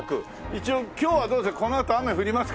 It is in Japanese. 一応今日はどうです？